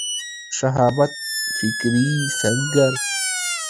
شهامت فکري سنګر